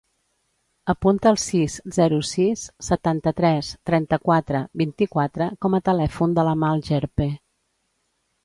Apunta el sis, zero, sis, setanta-tres, trenta-quatre, vint-i-quatre com a telèfon de l'Amal Gerpe.